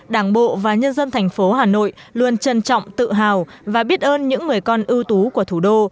đảng bộ và nhân dân thành phố hà nội luôn trân trọng tự hào và biết ơn những người con ưu tú của thủ đô